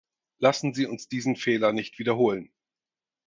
Lassen Sie uns diesen Fehler nicht wiederholen.